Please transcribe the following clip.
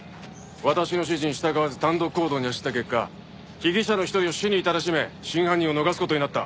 私の指示に従わず単独行動に走った結果被疑者の一人を死に至らしめ真犯人を逃す事になった。